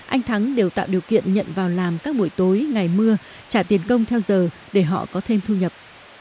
anh thắng đều tạo điều kiện nhận vào làm các buổi tối ngày mưa trả tiền công theo giờ để họ có thêm thu nhập